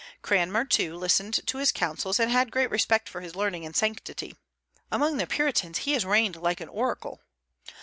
Cranmer, too, listened to his counsels, and had great respect for his learning and sanctity. Among the Puritans he has reigned like an oracle.